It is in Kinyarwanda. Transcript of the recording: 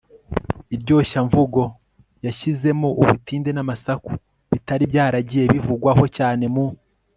iryoshyamvugo. yashyizemo ubutinde n'amasaku bitari byaragiye bivugwaho cyane mu